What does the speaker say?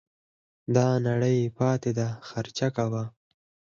دا نړۍ پاته ده خرچې کوه